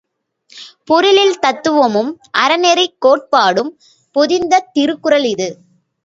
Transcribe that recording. பொருளில் தத்துவமும் அறநெறிக் கோட்பாடும் பொதிந்த திருக்குறள் இது!